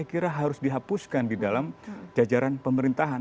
saya kira harus dihapuskan di dalam jajaran pemerintahan